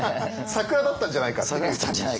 サクラだったんじゃないかと。